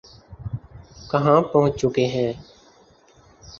کہاں پہنچ چکے ہیں۔